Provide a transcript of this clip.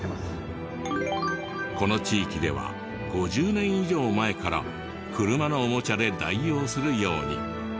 この地域では５０年以上前から車のおもちゃで代用するように。